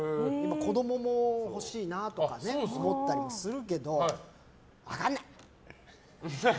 子供も欲しいなとか思ったりもするけど分からない！